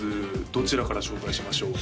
どちらから紹介しましょう？